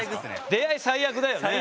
出会い最悪だよね。